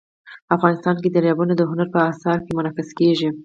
افغانستان کې دریابونه د هنر په اثار کې منعکس کېږي.